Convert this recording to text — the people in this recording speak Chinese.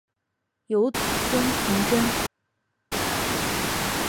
有子孙同珍。